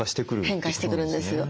変化してくるんですよ。